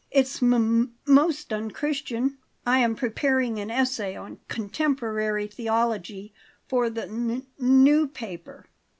It's m most unchristian. I am preparing an essay on contemporary theology for the n n new paper."